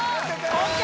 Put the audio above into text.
ＯＫ！